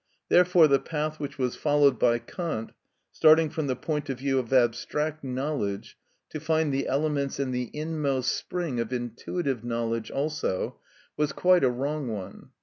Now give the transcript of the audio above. Therefore the path which was followed by Kant, starting from the point of view of abstract knowledge, to find the elements and the inmost spring of intuitive knowledge also, was quite a wrong one.